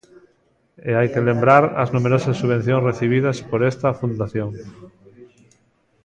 E hai que lembrar as numerosas subvencións recibidas por esta fundación.